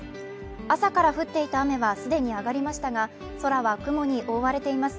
朝から降っていた雨は既に上がりましたが、空は雲に覆われています。